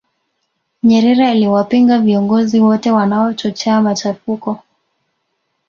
nyerere aliwapinga viongozi wote wanaochochea machafuko